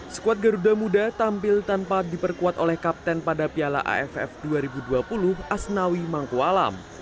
skuad garuda muda tampil tanpa diperkuat oleh kapten pada piala aff dua ribu dua puluh asnawi mangkualam